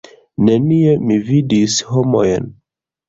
Nenie mi vidis homojn.